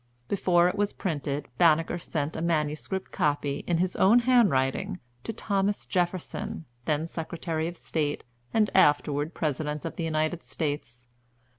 Before it was printed, Banneker sent a manuscript copy, in his own handwriting, to Thomas Jefferson, then Secretary of State, and afterward President of the United States.